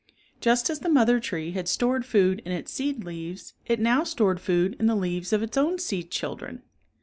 Just as the mother tree had stored food in its seed leaves, it now stored food in the leaves of its own seed children.